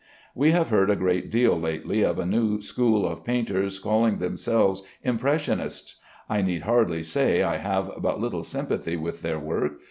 We have heard a good deal lately of a new school of painters calling themselves Impressionists. I need hardly say I have but little sympathy with their work.